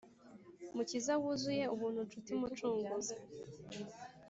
mukiza wuzuye ubuntu nshuti mucunguzi